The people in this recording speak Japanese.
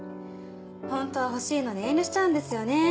ホントは欲しいのに遠慮しちゃうんですよね。